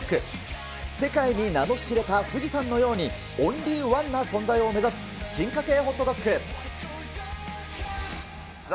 世界に名の知れた富士山のように、オンリーワンな存在を目指す進化系